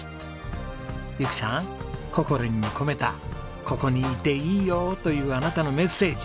ゆきさんｃｏｃｏ−Ｒｉｎに込めた「ここにいていいよ！」というあなたのメッセージ